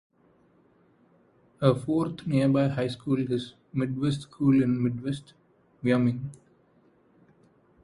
A fourth nearby high school is Midwest School in Midwest, Wyoming.